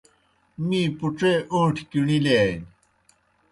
می پُڇے اون٘ٹِھیْ کِݨِلِیانیْ۔